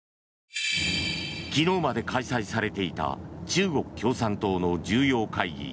昨日まで開催されていた中国共産党の重要会議